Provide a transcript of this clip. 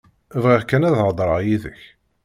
Bɣiɣ kan ad hedreɣ yid-k.